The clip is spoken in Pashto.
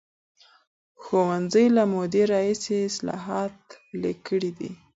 ښوونځي له مودې راهیسې اصلاحات پلي کړي دي.